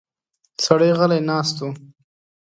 سړی غلی ناست و.